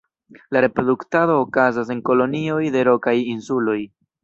La reproduktado okazas en kolonioj de rokaj insuloj.